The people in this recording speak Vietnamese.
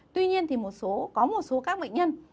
tuy nhiên thì có một số các bệnh nhân